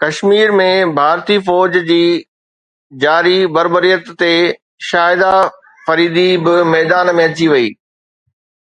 ڪشمير ۾ ڀارتي فوج جي جاري بربريت تي شاهده فريدي به ميدان ۾ اچي وئي